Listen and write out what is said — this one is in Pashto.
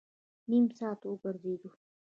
نیم ساعت وګرځېدو.